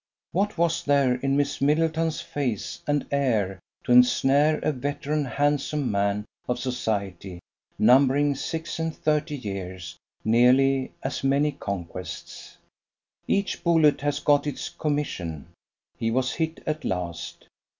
What was there in Miss Middleton's face and air to ensnare a veteran handsome man of society numbering six and thirty years, nearly as many conquests? "Each bullet has got its commission." He was hit at last.